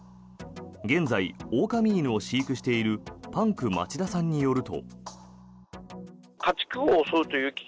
現在、狼犬を飼育しているパンク町田さんによると。